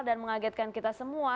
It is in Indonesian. dan mengagetkan kita semua